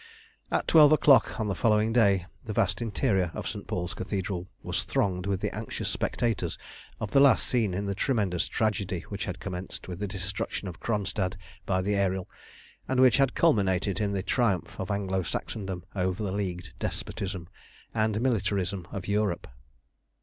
At twelve o'clock on the following day the vast interior of St. Paul's Cathedral was thronged with the anxious spectators of the last scene in the tremendous tragedy which had commenced with the destruction of Kronstadt by the Ariel, and which had culminated in the triumph of Anglo Saxondom over the leagued despotism and militarism of Europe.